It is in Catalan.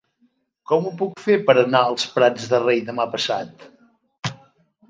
Com ho puc fer per anar als Prats de Rei demà passat?